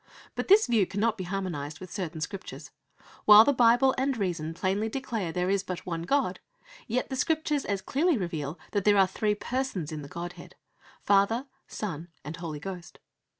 But this view cannot be harmonised with certain Scriptures. While the Bible and reason plainly declare that there is but one God, yet the Scriptures as clearly reveal that there are three Persons in the Godhead Father, Son, and Holy Ghost.